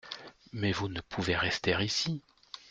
Mais vous ne pouvez rester ici !